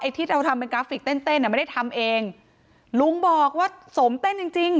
ไอ้ที่เราทำเป็นกราฟิกเต้นไม่ได้ทำเองลุงบอกว่าโสมเต้นจริง